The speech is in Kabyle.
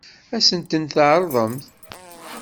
Ad sent-ten-tɛeṛḍem?